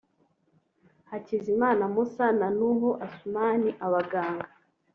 Hakizimana Moussa na Nuhu Assouman (abaganga)